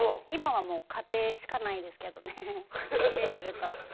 今はもう家庭しかないですけどね見てると。